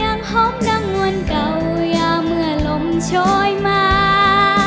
ยังห้องกังวลเก่ายาเมื่อลมโชยมา